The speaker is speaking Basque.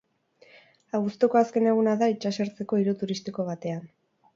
Abuztuko azken eguna da itsasertzeko hiri turistiko batean.